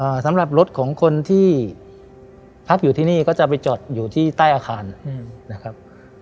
สำหรับรถของคนที่พักอยู่ที่นี่ก็จะไปจอดอยู่ที่ใต้อาคารอืมนะครับ